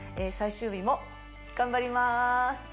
最終日も頑張ります